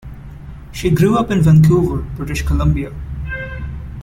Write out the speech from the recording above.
She grew up in Vancouver, British Columbia.